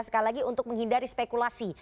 sekali lagi untuk menghindari spekulasi